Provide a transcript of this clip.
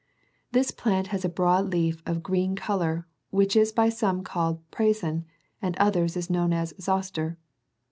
This plant has a broad leaf of a green co lour, which is by some called "prason,"38 and by others is known as " zoster."